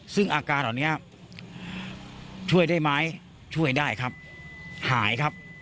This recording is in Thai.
ซึ่งอาการเหล่านี้ช่วยได้ไหมช่วยได้ครับหายครับ